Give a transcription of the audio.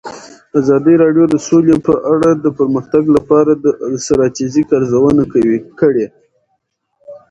ازادي راډیو د سوله په اړه د پرمختګ لپاره د ستراتیژۍ ارزونه کړې.